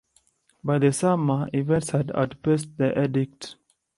By the summer, events had outpaced the Edict.